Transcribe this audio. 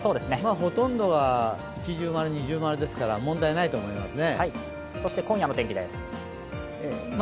ほとんどが一重丸、二重丸ですから、問題ないですね。